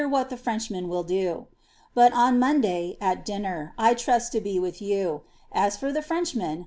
it the Frenchman will do. But on Monday, at dinner, I trust to be uith yan. Af ibr the Freuchinen.